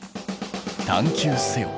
探究せよ！